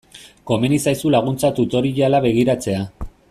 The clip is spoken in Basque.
Komeni zaizu laguntza tutoriala begiratzea.